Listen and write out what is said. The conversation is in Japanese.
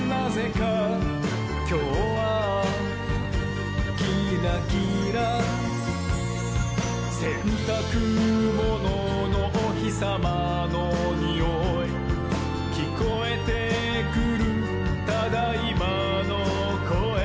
「きょうはキラキラ」「せんたくもののおひさまのにおい」「きこえてくる『ただいま』のこえ」